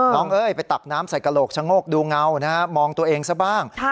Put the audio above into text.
เอ้ยไปตักน้ำใส่กระโหลกชะโงกดูเงานะฮะมองตัวเองซะบ้าง